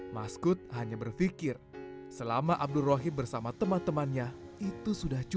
maskud hanya berpikir selama abdul rohim bersama teman temannya itu sudah cukup